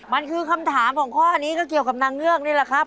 มันคือคำถามของข้อนี้ก็เกี่ยวกับนางเงือกนี่แหละครับ